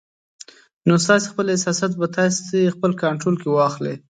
نو ستاسې خپل احساسات به تاسې خپل کنټرول کې واخلي